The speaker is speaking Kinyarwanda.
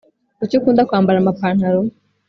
kuki ukunda kwambara amapantalo